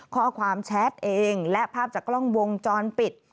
แชทเองและภาพจากกล้องวงจรปิด